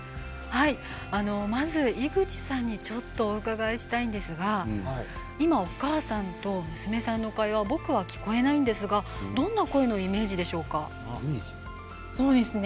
まず、井口さんにお伺いしたいんですが今、お母さんと娘さんの会話僕は聞こえないんですがどんな声のイメージでしょうか？